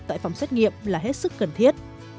tại phòng xét nghiệm là hết sức cần thiết